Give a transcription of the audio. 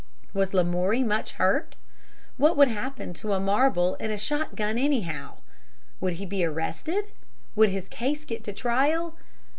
Was Lamoury much hurt? What would happen to a marble in a shotgun, anyhow? Would he be arrested? Would his case get to trial?